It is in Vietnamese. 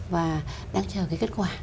và đang chờ cái kết quả